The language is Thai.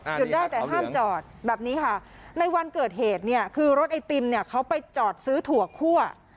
หยุดได้แต่ห้ามจอดแบบนี้ค่ะในวันเกิดเหตุเนี่ยคือรถไอติมเนี่ยเขาไปจอดซื้อถั่วคั่ว